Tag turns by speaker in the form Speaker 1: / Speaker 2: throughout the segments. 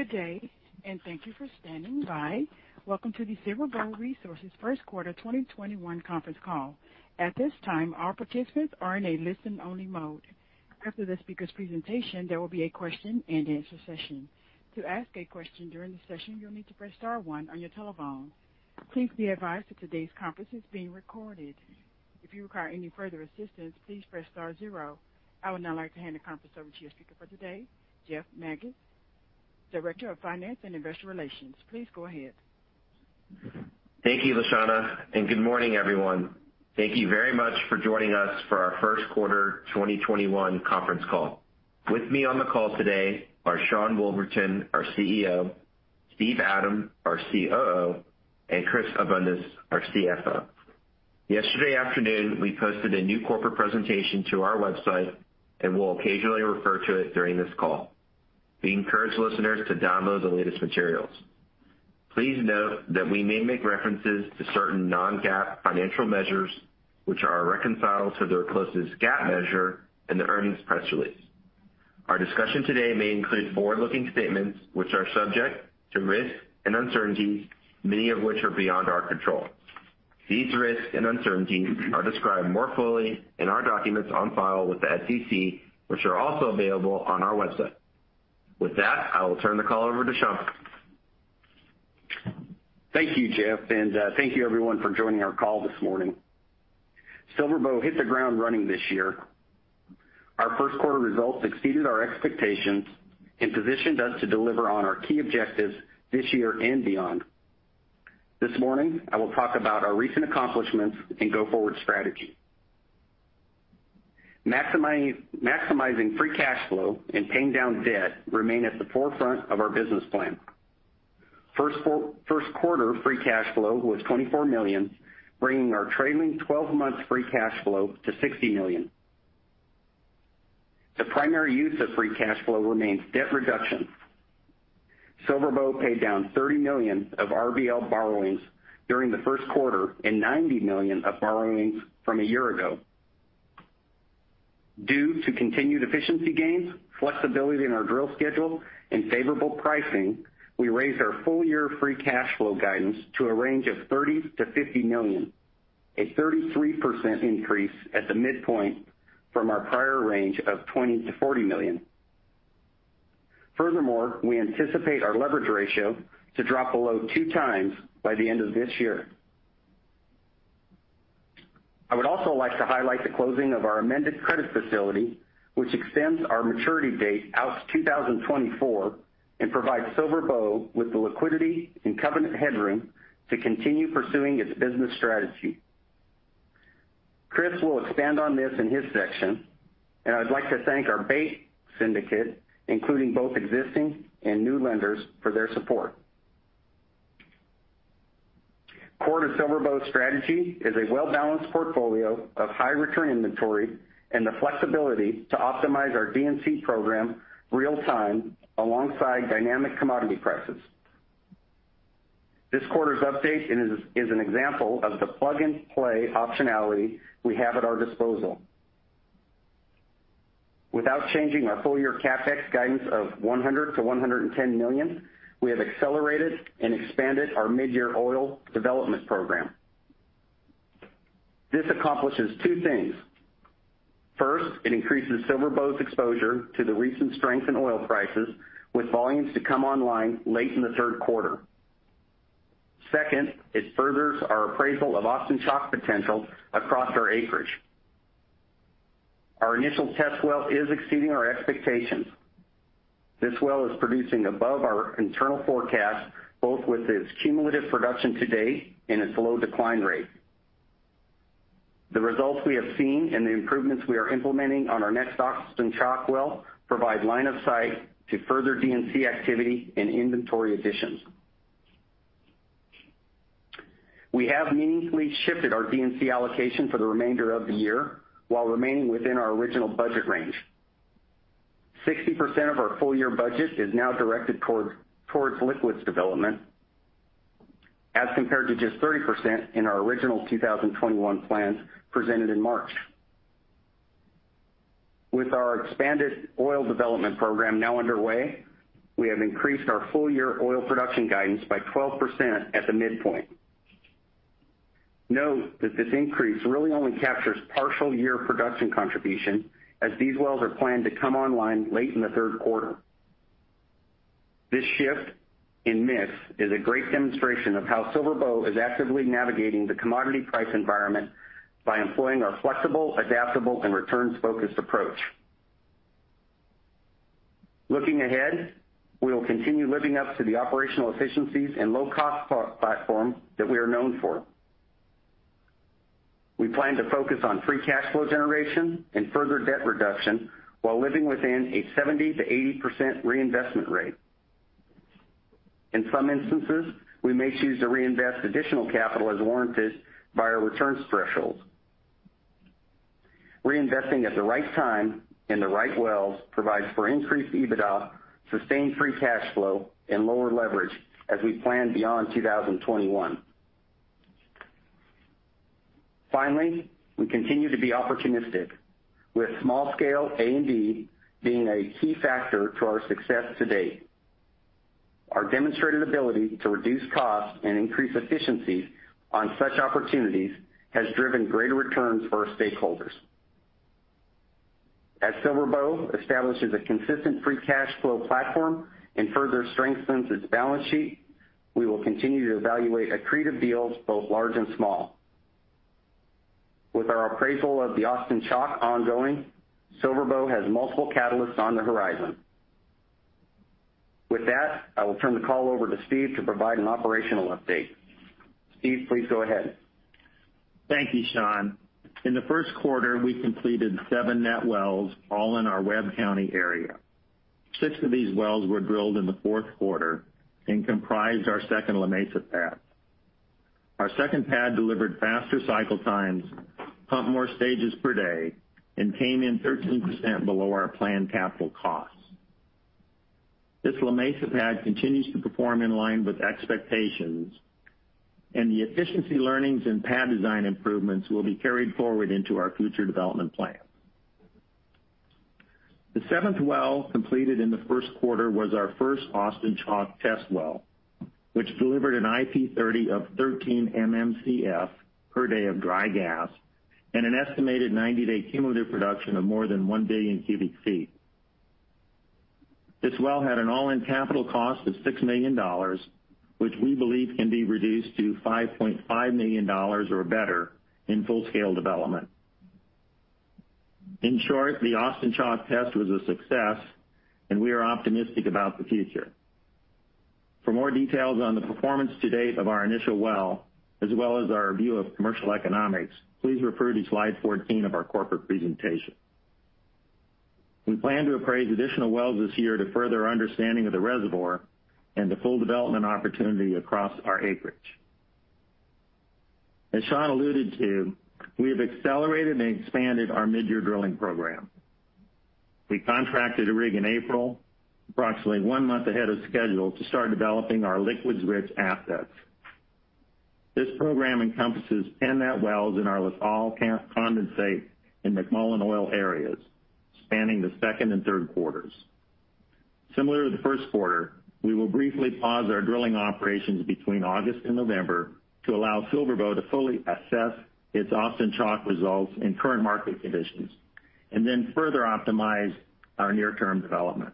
Speaker 1: Good day, and thank you for standing by. Welcome to the SilverBow Resources first quarter 2021 conference call. At this time, all participants are in a listen-only mode. After the speaker's presentation, there will be a question-and-answer session. To ask a question during the session, you'll need to press star one on your telephone. Please be advised that today's conference is being recorded. If you require any further assistance, please press star zero. I would now like to hand the conference over to your speaker for today, Jeff Magids, Director of Finance and Investor Relations. Please go ahead.
Speaker 2: Thank you, Leshawna. Good morning, everyone. Thank you very much for joining us for our first quarter 2021 conference call. With me on the call today are Sean C. Woolverton, our CEO, Steven W. Adam, our COO, and Christopher M. Abundis, our CFO. Yesterday afternoon, we posted a new corporate presentation to our website and will occasionally refer to it during this call. We encourage listeners to download the latest materials. Please note that we may make references to certain non-GAAP financial measures which are reconciled to their closest GAAP measure in the earnings press release. Our discussion today may include forward-looking statements which are subject to risks and uncertainties, many of which are beyond our control. These risks and uncertainties are described more fully in our documents on file with the SEC, which are also available on our website. With that, I will turn the call over to Sean.
Speaker 3: Thank you, Jeff, thank you everyone for joining our call this morning. SilverBow hit the ground running this year. Our first quarter results exceeded our expectations and positioned us to deliver on our key objectives this year and beyond. This morning, I will talk about our recent accomplishments and go-forward strategy. Maximizing free cash flow and paying down debt remain at the forefront of our business plan. First quarter free cash flow was $24 million, bringing our trailing 12 months free cash flow to $60 million. The primary use of free cash flow remains debt reduction. SilverBow paid down $30 million of RBL borrowings during the first quarter and $90 million of borrowings from a year ago. Due to continued efficiency gains, flexibility in our drill schedule, and favorable pricing, we raised our full-year free cash flow guidance to a range of $30 million-$50 million, a 33% increase at the midpoint from our prior range of $20 million-$40 million. Furthermore, we anticipate our leverage ratio to drop below two times by the end of this year. I would also like to highlight the closing of our amended credit facility, which extends our maturity date out to 2024 and provides SilverBow with the liquidity and covenant headroom to continue pursuing its business strategy. Chris will expand on this in his section. I would like to thank our bank syndicate, including both existing and new lenders, for their support. Core to SilverBow's strategy is a well-balanced portfolio of high-return inventory and the flexibility to optimize our D&C program real time alongside dynamic commodity prices. This quarter's update is an example of the plug-and-play optionality we have at our disposal. Without changing our full-year CapEx guidance of $100 million-$110 million, we have accelerated and expanded our mid-year oil development program. This accomplishes two things. First, it increases SilverBow's exposure to the recent strength in oil prices, with volumes to come online late in the third quarter. Second, it furthers our appraisal of Austin Chalk potential across our acreage. Our initial test well is exceeding our expectations. This well is producing above our internal forecast, both with its cumulative production to date and its low decline rate. The results we have seen and the improvements we are implementing on our next Austin Chalk well provide line of sight to further D&C activity and inventory additions. We have meaningfully shifted our D&C allocation for the remainder of the year while remaining within our original budget range. 60% of our full-year budget is now directed towards liquids development, as compared to just 30% in our original 2021 plans presented in March. With our expanded oil development program now underway, we have increased our full-year oil production guidance by 12% at the midpoint. Note that this increase really only captures partial year production contribution as these wells are planned to come online late in the third quarter. This shift in mix is a great demonstration of how SilverBow is actively navigating the commodity price environment by employing our flexible, adaptable, and returns-focused approach. Looking ahead, we will continue living up to the operational efficiencies and low-cost platform that we are known for. We plan to focus on free cash flow generation and further debt reduction while living within a 70%-80% reinvestment rate. In some instances, we may choose to reinvest additional capital as warranted by our returns threshold. Reinvesting at the right time in the right wells provides for increased EBITDA, sustained free cash flow, and lower leverage as we plan beyond 2021. Finally, we continue to be opportunistic with small scale A&D being a key factor to our success to date. Our demonstrated ability to reduce costs and increase efficiencies on such opportunities has driven greater returns for our stakeholders. As SilverBow establishes a consistent free cash flow platform and further strengthens its balance sheet, we will continue to evaluate accretive deals, both large and small. With our appraisal of the Austin Chalk ongoing, SilverBow has multiple catalysts on the horizon. With that, I will turn the call over to Steve to provide an operational update. Steve, please go ahead.
Speaker 4: Thank you, Sean. In the first quarter, we completed seven net wells, all in our Webb County area. Six of these wells were drilled in the fourth quarter and comprised our second La Mesa pad. Our second pad delivered faster cycle times, pumped more stages per day, and came in 13% below our planned capital costs. This La Mesa pad continues to perform in line with expectations, and the efficiency learnings and pad design improvements will be carried forward into our future development plan. The seventh well completed in the first quarter was our first Austin Chalk test well, which delivered an IP 30 of 13 MMcf per day of dry gas and an estimated 90-day cumulative production of more than 1 billion cubic feet. This well had an all-in capital cost of $6 million, which we believe can be reduced to $5.5 million or better in full scale development. In short, the Austin Chalk test was a success, and we are optimistic about the future. For more details on the performance to date of our initial well, as well as our view of commercial economics, please refer to slide 14 of our corporate presentation. We plan to appraise additional wells this year to further our understanding of the reservoir and the full development opportunity across our acreage. As Sean alluded to, we have accelerated and expanded our mid-year drilling program. We contracted a rig in April, approximately one month ahead of schedule, to start developing our liquids-rich assets. This program encompasses 10 net wells in our La Salle condensate and McMullen Oil areas, spanning the second and third quarters. Similar to the first quarter, we will briefly pause our drilling operations between August and November to allow SilverBow to fully assess its Austin Chalk results and current market conditions, and then further optimize our near-term development.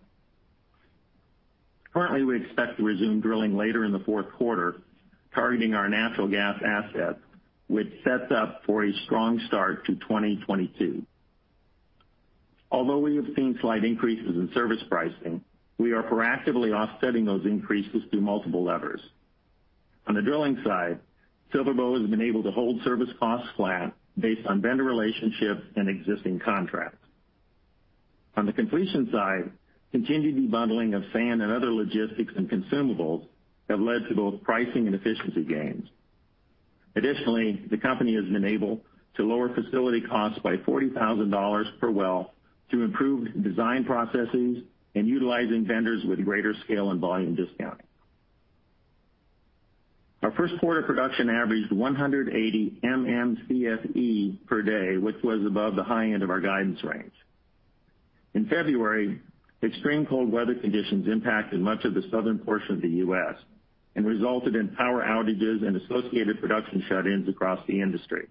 Speaker 4: Currently, we expect to resume drilling later in the fourth quarter, targeting our natural gas assets, which sets up for a strong start to 2022. Although we have seen slight increases in service pricing, we are proactively offsetting those increases through multiple levers. On the drilling side, SilverBow has been able to hold service costs flat based on vendor relationships and existing contracts. On the completion side, continued debundling of sand and other logistics and consumables have led to both pricing and efficiency gains. Additionally, the company has been able to lower facility costs by $40,000 per well through improved design processes and utilizing vendors with greater scale and volume discounting. Our first quarter production averaged 180 MMcfe per day, which was above the high end of our guidance range. In February, extreme cold weather conditions impacted much of the southern portion of the U.S. and resulted in power outages and associated production shut-ins across the industry.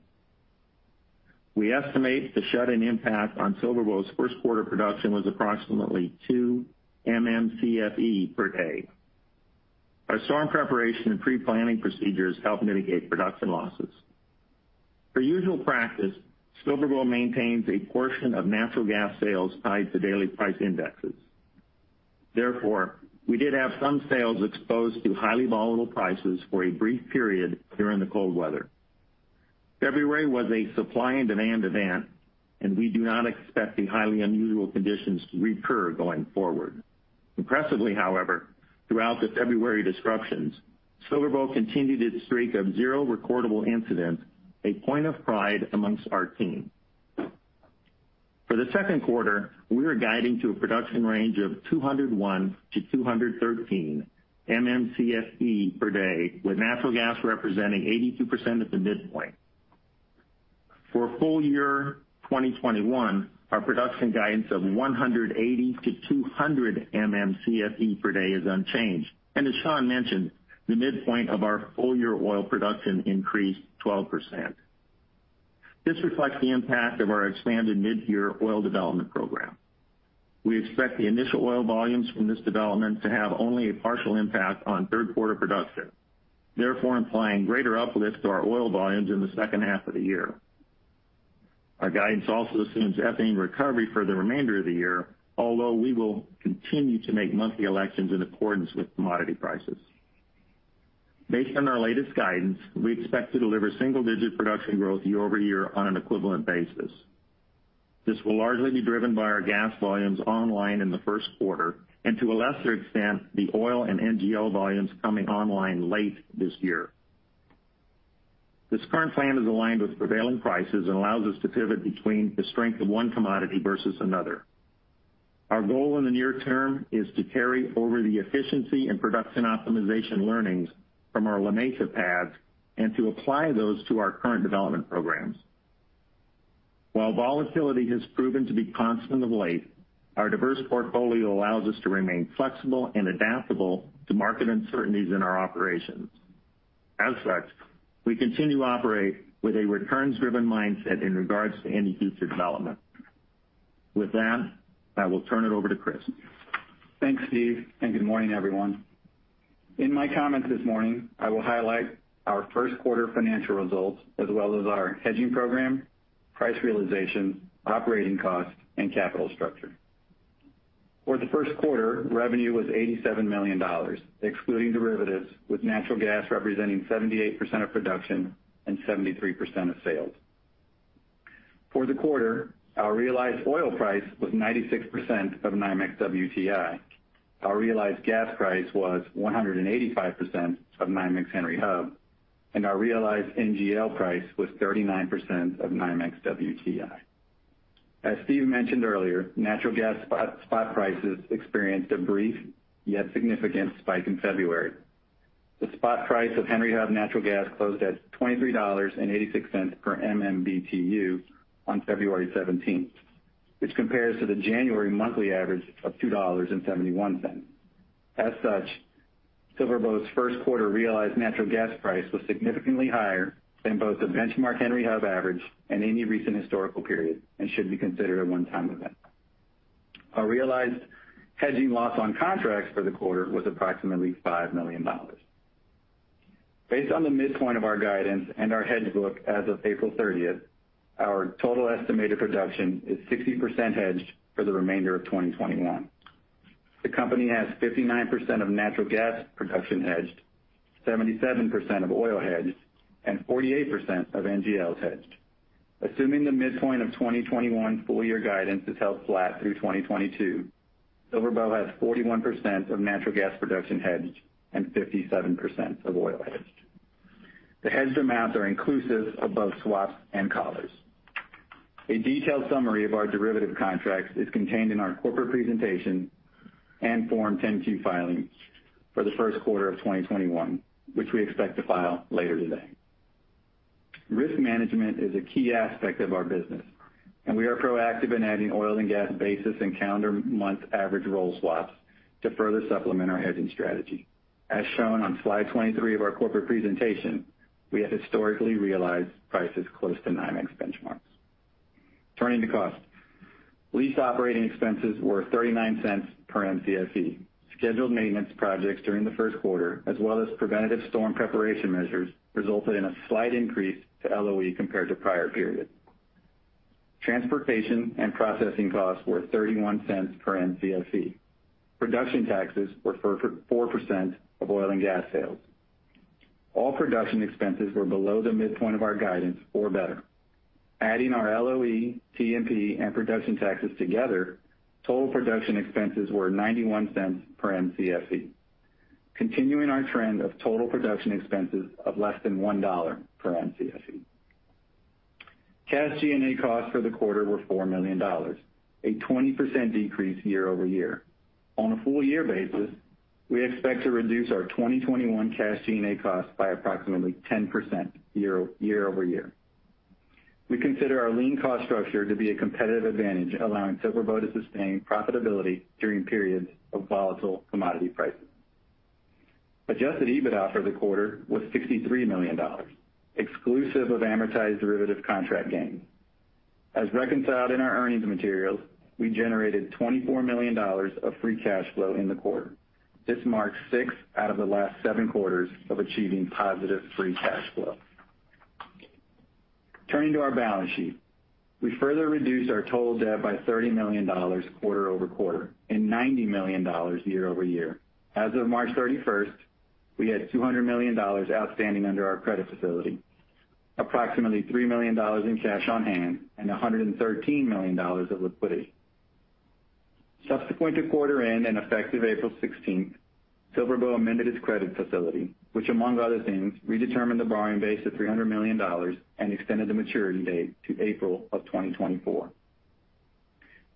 Speaker 4: We estimate the shut-in impact on SilverBow's first quarter production was approximately two MMcfe per day. Our storm preparation and pre-planning procedures helped mitigate production losses. Per usual practice, SilverBow maintains a portion of natural gas sales tied to daily price indexes. Therefore, we did have some sales exposed to highly volatile prices for a brief period during the cold weather. February was a supply and demand event, and we do not expect the highly unusual conditions to recur going forward. Impressively, however, throughout the February disruptions, SilverBow continued its streak of zero recordable incidents, a point of pride amongst our team. For the second quarter, we are guiding to a production range of 201 MMcfe-213 MMcfe per day, with natural gas representing 82% at the midpoint. For full year 2021, our production guidance of 180 MMcfe-200 MMcfe per day is unchanged. As Sean mentioned, the midpoint of our full-year oil production increased 12%. This reflects the impact of our expanded mid-year oil development program. We expect the initial oil volumes from this development to have only a partial impact on third quarter production, therefore implying greater uplift to our oil volumes in the second half of the year. Our guidance also assumes ethane recovery for the remainder of the year, although we will continue to make monthly elections in accordance with commodity prices. Based on our latest guidance, we expect to deliver single-digit production growth year-over-year on an equivalent basis. This will largely be driven by our gas volumes online in the first quarter, and to a lesser extent, the oil and NGL volumes coming online late this year. This current plan is aligned with prevailing prices and allows us to pivot between the strength of one commodity versus another. Our goal in the near term is to carry over the efficiency and production optimization learnings from our La Mesa pads and to apply those to our current development programs. While volatility has proven to be constant of late, our diverse portfolio allows us to remain flexible and adaptable to market uncertainties in our operations. As such, we continue to operate with a returns-driven mindset in regards to any future development. With that, I will turn it over to Chris.
Speaker 5: Thanks, Steve, and good morning, everyone. In my comments this morning, I will highlight our first quarter financial results as well as our hedging program, price realization, operating costs, and capital structure. For the first quarter, revenue was $87 million, excluding derivatives, with natural gas representing 78% of production and 73% of sales. For the quarter, our realized oil price was 96% of NYMEX WTI. Our realized gas price was 185% of NYMEX Henry Hub, and our realized NGL price was 39% of NYMEX WTI. As Steve mentioned earlier, natural gas spot prices experienced a brief, yet significant spike in February. The spot price of Henry Hub natural gas closed at $23.86 per MMBtu on February 17th, which compares to the January monthly average of $2.71. As such, SilverBow's first quarter realized natural gas price was significantly higher than both the benchmark Henry Hub average and any recent historical period and should be considered a one-time event. Our realized hedging loss on contracts for the quarter was approximately $5 million. Based on the midpoint of our guidance and our hedge book as of April 30th, our total estimated production is 60% hedged for the remainder of 2021. The company has 59% of natural gas production hedged, 77% of oil hedged, and 48% of NGLs hedged. Assuming the midpoint of 2021 full year guidance is held flat through 2022, SilverBow has 41% of natural gas production hedged and 57% of oil hedged. The hedged amounts are inclusive of both swaps and collars. A detailed summary of our derivative contracts is contained in our corporate presentation and Form 10-Q filings for the first quarter of 2021, which we expect to file later today. Risk management is a key aspect of our business, we are proactive in adding oil and gas basis and calendar month average roll swaps to further supplement our hedging strategy. As shown on slide 23 of our corporate presentation, we have historically realized prices close to NYMEX benchmarks. Turning to cost. Lease operating expenses were $0.39 per Mcfe. Scheduled maintenance projects during the first quarter, as well as preventative storm preparation measures, resulted in a slight increase to LOE compared to prior periods. Transportation and processing costs were $0.31 per Mcfe. Production taxes were 4% of oil and gas sales. All production expenses were below the midpoint of our guidance or better. Adding our LOE, T&P, and production taxes together, total production expenses were $0.91 per Mcfe, continuing our trend of total production expenses of less than $1 per Mcfe. Cash G&A costs for the quarter were $4 million, a 20% decrease year-over-year. On a full year basis, we expect to reduce our 2021 cash G&A costs by approximately 10% year-over-year. We consider our lean cost structure to be a competitive advantage, allowing SilverBow to sustain profitability during periods of volatile commodity prices. Adjusted EBITDA for the quarter was $63 million, exclusive of amortized derivative contract gains. As reconciled in our earnings materials, we generated $24 million of free cash flow in the quarter. This marks six out of the last seven quarters of achieving positive free cash flow. Turning to our balance sheet. We further reduced our total debt by $30 million quarter-over-quarter and $90 million year-over-year. As of March 31st, we had $200 million outstanding under our credit facility, approximately $3 million in cash on hand, and $113 million of liquidity. Subsequent to quarter end and effective April 16th, SilverBow amended its credit facility, which among other things, redetermined the borrowing base to $300 million and extended the maturity date to April of 2024.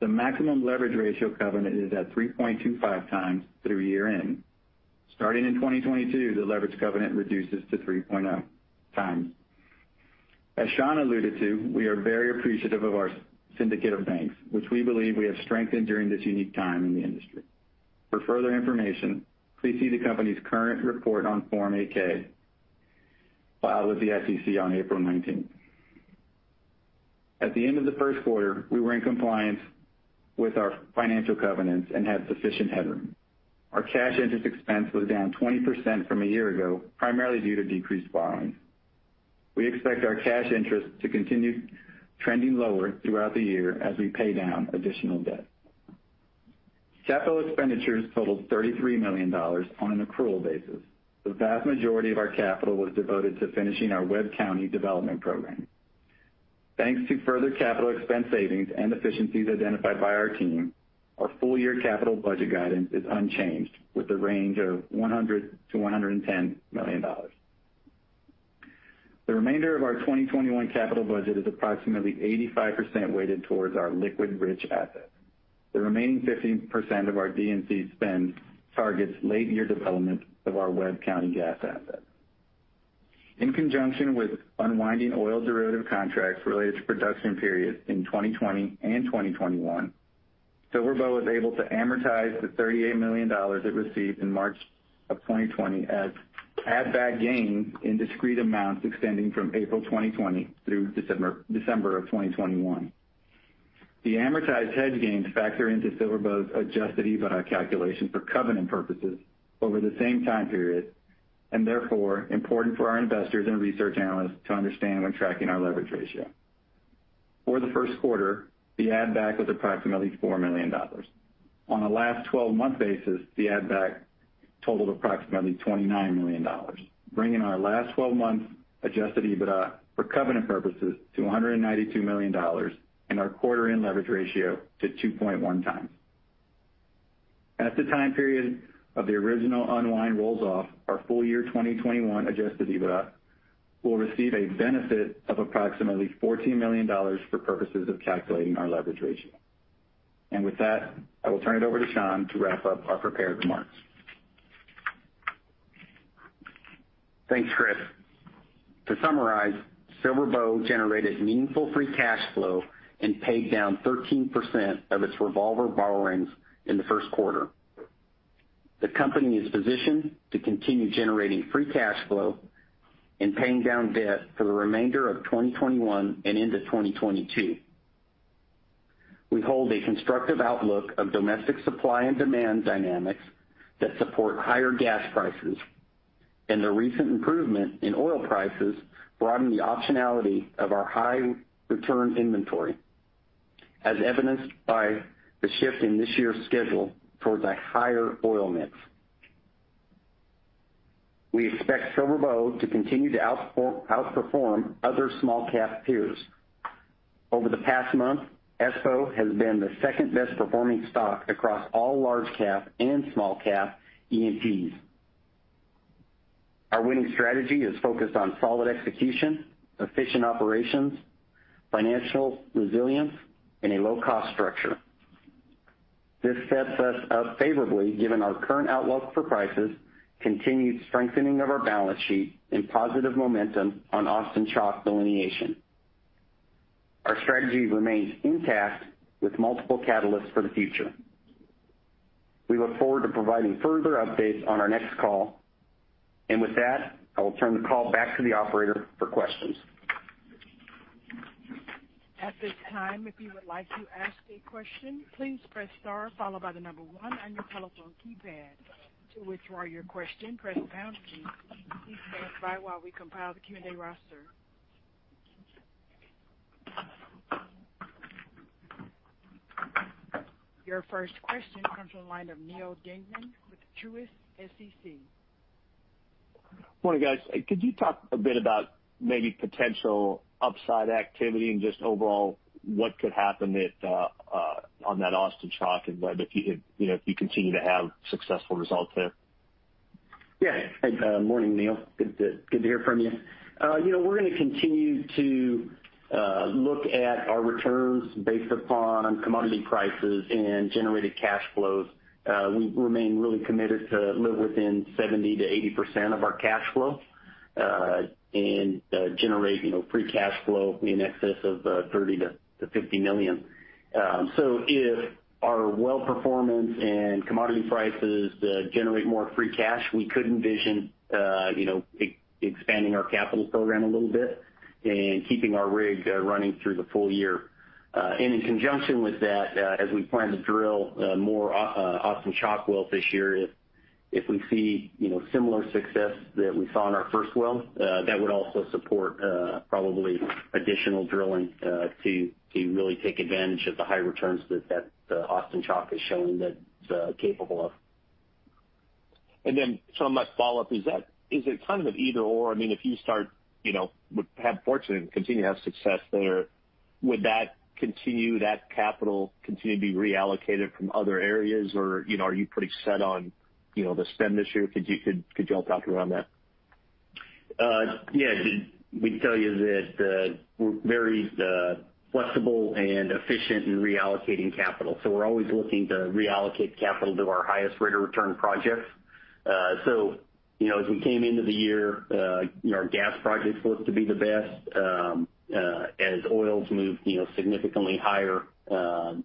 Speaker 5: The maximum leverage ratio covenant is at 3.25x through year-end. Starting in 2022, the leverage covenant reduces to 3.0x. As Sean alluded to, we are very appreciative of our syndicate of banks, which we believe we have strengthened during this unique time in the industry. For further information, please see the company's current report on Form 8-K, filed with the SEC on April 19th. At the end of the first quarter, we were in compliance with our financial covenants and had sufficient headroom. Our cash interest expense was down 20% from a year ago, primarily due to decreased borrowing. We expect our cash interest to continue trending lower throughout the year as we pay down additional debt. Capital expenditures totaled $33 million on an accrual basis. The vast majority of our capital was devoted to finishing our Webb County development program. Thanks to further capital expense savings and efficiencies identified by our team, our full-year capital budget guidance is unchanged, with a range of $100 million-$110 million. The remainder of our 2021 capital budget is approximately 85% weighted towards our liquid-rich assets. The remaining 15% of our D&C spend targets late year development of our Webb County gas assets. In conjunction with unwinding oil derivative contracts related to production periods in 2020 and 2021, SilverBow was able to amortize the $38 million it received in March of 2020 as add-back gains in discrete amounts extending from April 2020 through December of 2021. The amortized hedge gains factor into SilverBow's adjusted EBITDA calculation for covenant purposes over the same time period, and therefore, important for our investors and research analysts to understand when tracking our leverage ratio. For the first quarter, the add back was approximately $4 million. On a last 12-month basis, the add back totaled approximately $29 million, bringing our last 12 months adjusted EBITDA for covenant purposes to $192 million, and our quarter end leverage ratio to 2.1x. As the time period of the original unwind rolls off our full year 2021 adjusted EBITDA, we'll receive a benefit of approximately $14 million for purposes of calculating our leverage ratio. With that, I will turn it over to Sean to wrap up our prepared remarks.
Speaker 3: Thanks, Chris. To summarize, SilverBow generated meaningful free cash flow and paid down 13% of its revolver borrowings in the first quarter. The company is positioned to continue generating free cash flow and paying down debt for the remainder of 2021 and into 2022. We hold a constructive outlook of domestic supply and demand dynamics that support higher gas prices, and the recent improvement in oil prices broaden the optionality of our high return inventory, as evidenced by the shift in this year's schedule towards a higher oil mix. We expect SilverBow to continue to outperform other small cap peers. Over the past month, SBOW has been the second-best performing stock across all large cap and small cap E&Ps. Our winning strategy is focused on solid execution, efficient operations, financial resilience, and a low-cost structure. This sets us up favorably given our current outlook for prices, continued strengthening of our balance sheet, and positive momentum on Austin Chalk delineation. Our strategy remains intact with multiple catalysts for the future. We look forward to providing further updates on our next call. With that, I will turn the call back to the operator for questions.
Speaker 1: At this time, if you would like to ask a question, please press star followed by the number one on your telephone keypad. To withdraw your question, press pound. Please stand by while we compile the Q&A roster. Your first question comes from the line of Neal Dingmann with Truist Securities.
Speaker 6: Morning, guys. Could you talk a bit about maybe potential upside activity and just overall what could happen on that Austin Chalk if you continue to have successful results there?
Speaker 3: Yeah. Morning, Neal. Good to hear from you. We're going to continue to look at our returns based upon commodity prices and generated cash flows. We remain really committed to live within 70%-80% of our cash flow, and generate free cash flow in excess of $30 million-$50 million. If our well performance and commodity prices generate more free cash, we could envision expanding our capital program a little bit and keeping our rig running through the full year. In conjunction with that, as we plan to drill more Austin Chalk wells this year, if we see similar success that we saw in our first well, that would also support probably additional drilling to really take advantage of the high returns that the Austin Chalk is showing that it's capable of.
Speaker 6: Sean, my follow-up, is it kind of an either/or? If you start, would have fortune and continue to have success there, would that capital continue to be reallocated from other areas? Are you pretty set on the spend this year? Could you help out around that?
Speaker 3: Yeah. We can tell you that we're very flexible and efficient in reallocating capital. We're always looking to reallocate capital to our highest rate of return projects. As we came into the year, our gas projects looked to be the best. As oil's moved significantly higher,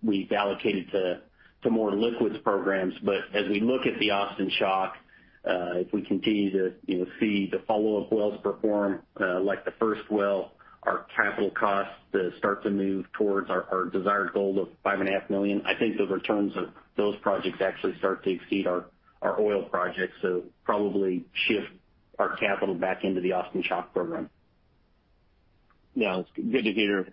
Speaker 3: we've allocated to more liquids programs. As we look at the Austin Chalk, if we continue to see the follow-up wells perform like the first well, our capital costs start to move towards our desired goal of $5.5 million. I think the returns of those projects actually start to exceed our oil projects. Probably shift our capital back into the Austin Chalk program.
Speaker 6: Yeah. It's good to hear.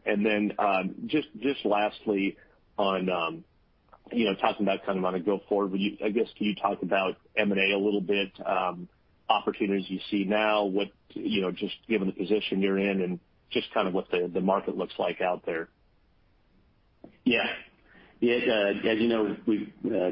Speaker 6: Just lastly on, talking about kind of on a go forward, I guess, can you talk about M&A a little bit, opportunities you see now, just given the position you're in and just kind of what the market looks like out there?
Speaker 3: Yes. As you know, we've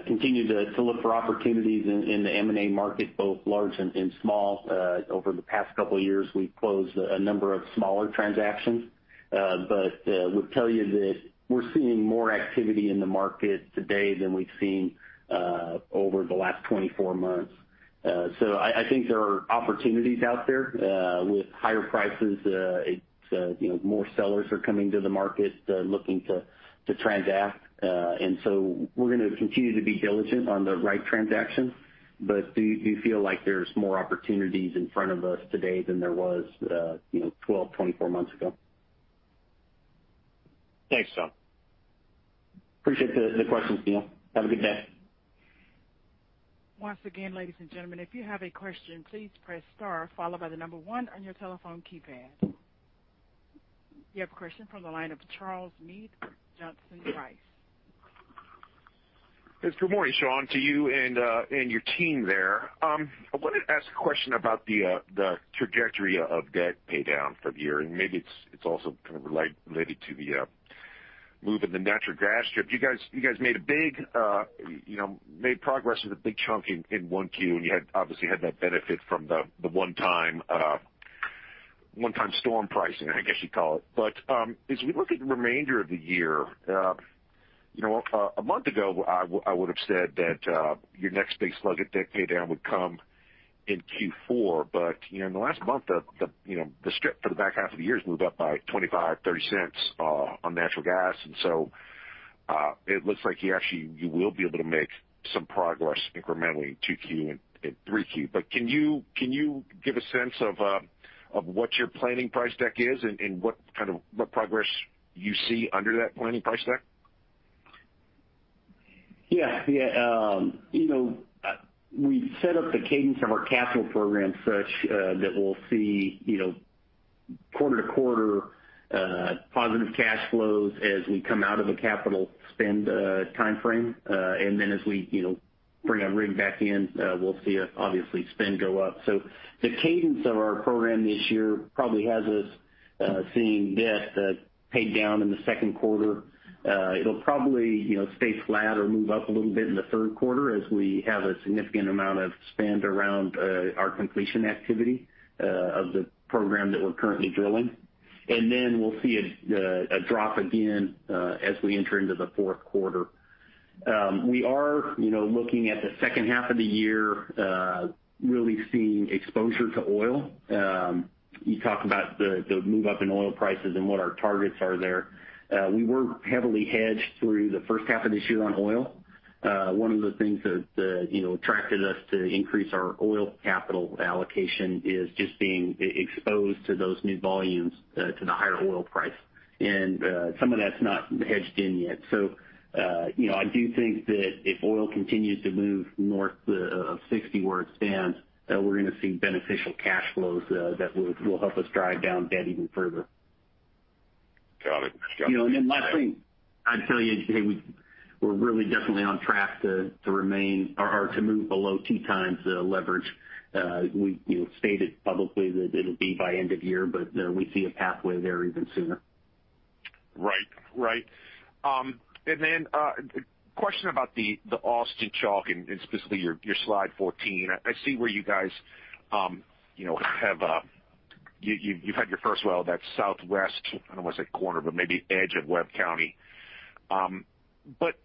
Speaker 3: continued to look for opportunities in the M&A market, both large and small. Over the past couple of years, we've closed a number of smaller transactions. Would tell you that we're seeing more activity in the market today than we've seen over the last 24 months. I think there are opportunities out there with higher prices. More sellers are coming to the market looking to transact. We're going to continue to be diligent on the right transaction. Do feel like there's more opportunities in front of us today than there was 12, 24 months ago.
Speaker 6: Thanks, Sean.
Speaker 3: Appreciate the questions, Neal. Have a good day.
Speaker 1: Once again, ladies and gentlemen, if you have a question, please press star followed by the number 1 on your telephone keypad. You have a question from the line of Charles Meade, Johnson Rice.
Speaker 7: Yes. Good morning, Sean, to you and your team there. I wanted to ask a question about the trajectory of debt paydown for the year, and maybe it's also kind of related to the move in the natural gas strip. You guys made progress with a big chunk in 1Q, and you obviously had that benefit from the one-time storm pricing, I guess you'd call it. As we look at the remainder of the year, a month ago, I would've said that your next big slug of debt paydown would come in Q4. In the last month, the strip for the back half of the year has moved up by $0.25, $0.30 on natural gas. It looks like you actually will be able to make some progress incrementally in 2Q and 3Q. Can you give a sense of what your planning price deck is and what progress you see under that planning price deck?
Speaker 3: We've set up the cadence of our capital program such that we'll see quarter-to-quarter positive cash flows as we come out of a capital spend timeframe. As we bring a rig back in, we'll see, obviously, spend go up. The cadence of our program this year probably has us seeing debt paid down in the second quarter. It'll probably stay flat or move up a little bit in the third quarter as we have a significant amount of spend around our completion activity of the program that we're currently drilling. We'll see a drop again as we enter into the fourth quarter. We are looking at the second half of the year really seeing exposure to oil. You talk about the move up in oil prices and what our targets are there. We were heavily hedged through the first half of this year on oil. One of the things that attracted us to increase our oil capital allocation is just being exposed to those new volumes to the higher oil price. Some of that's not hedged in yet. I do think that if oil continues to move north of 60 where it stands, we're going to see beneficial cash flows that will help us drive down debt even further.
Speaker 7: Got it.
Speaker 3: Last thing, I'd tell you today, we're really definitely on track to move below two times leverage. We stated publicly that it'll be by end of year, but we see a pathway there even sooner.
Speaker 7: Right. A question about the Austin Chalk and specifically your slide 14. I see where you've had your first well that's southwest, I don't want to say corner, but maybe edge of Webb County.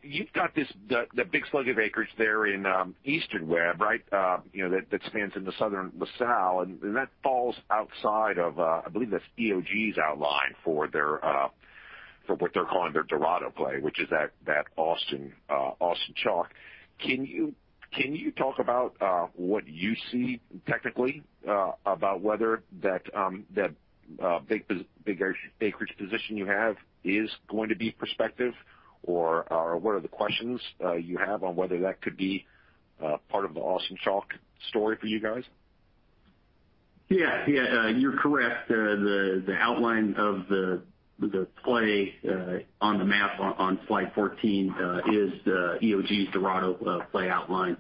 Speaker 7: You've got the big slug of acreage there in Eastern Webb that spans into southern La Salle, and that falls outside of, I believe that's EOG's outline for what they're calling their Dorado play, which is that Austin Chalk. Can you talk about what you see technically about whether that big acreage position you have is going to be prospective, or what are the questions you have on whether that could be part of the Austin Chalk story for you guys?
Speaker 3: Yeah. You're correct. The outline of the play on the map on slide 14 is EOG's Dorado play outline.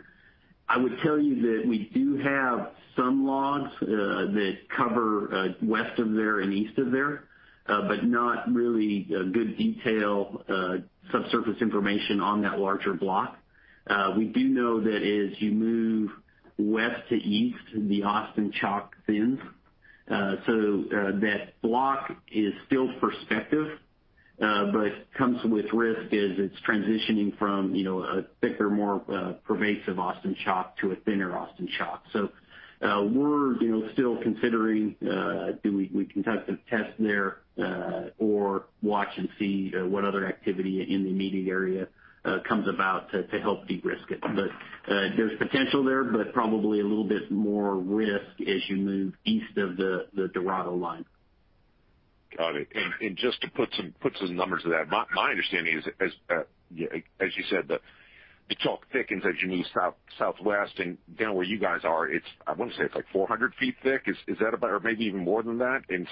Speaker 3: I would tell you that we do have some logs that cover west of there and east of there, but not really good detail, subsurface information on that larger block. We do know that as you move west to east, the Austin Chalk thins. That block is still prospective, but comes with risk as it's transitioning from a thicker, more pervasive Austin Chalk to a thinner Austin Chalk. We're still considering, do we conduct some tests there or watch and see what other activity in the immediate area comes about to help de-risk it. There's potential there, but probably a little bit more risk as you move east of the Dorado line.
Speaker 7: Got it. Just to put some numbers to that. My understanding is, as you said, the Austin Chalk thickens as you move southwest, and down where you guys are, I want to say it's like 400 feet thick. Is that about or maybe even more than that? Could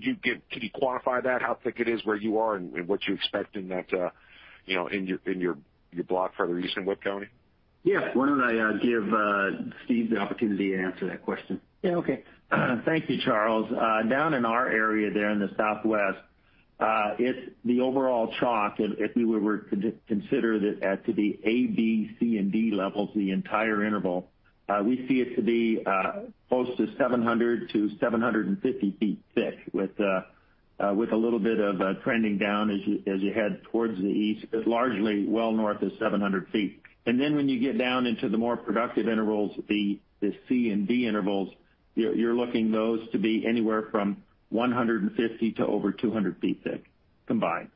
Speaker 7: you quantify that, how thick it is where you are and what you expect in your block further east in Webb County?
Speaker 3: Yeah. Why don't I give Steve the opportunity to answer that question?
Speaker 4: Okay. Thank you, Charles. Down in our area there in the southwest, the overall Austin Chalk, if we were to consider that to be A, B, C, and D levels, the entire interval, we see it to be close to 700-750 feet thick with a little bit of trending down as you head towards the east, but largely well north of 700 feet. When you get down into the more productive intervals, the C and D intervals, you're looking those to be anywhere from 150 to over 200 feet thick combined.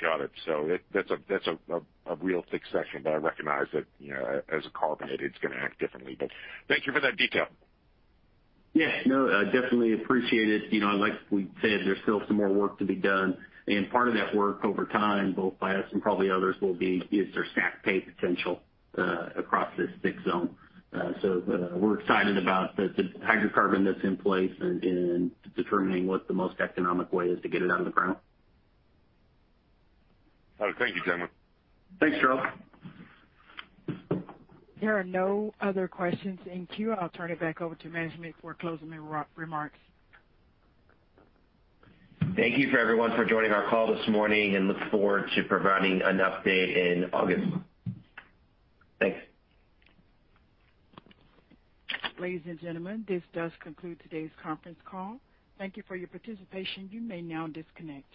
Speaker 7: Got it. That's a real thick section, but I recognize that as a carbonate, it's going to act differently. Thank you for that detail.
Speaker 3: Yeah, no, definitely appreciate it. Like we said, there's still some more work to be done, and part of that work over time, both by us and probably others, will be is there stack pay potential across this thick zone. We're excited about the hydrocarbon that's in place and determining what the most economic way is to get it out of the ground.
Speaker 7: Thank you, gentlemen.
Speaker 3: Thanks, Charles.
Speaker 1: There are no other questions in queue. I'll turn it back over to management for closing remarks.
Speaker 3: Thank you for everyone for joining our call this morning and look forward to providing an update in August. Thanks.
Speaker 1: Ladies and gentlemen, this does conclude today's conference call. Thank you for your participation. You may now disconnect.